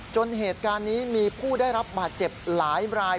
จนเหตุการณ์นี้มีผู้ได้รับบาดเจ็บหลายราย